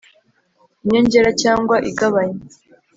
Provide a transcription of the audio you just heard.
inyongera cyangwa igabanya